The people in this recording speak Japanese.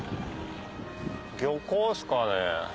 漁港ですかね？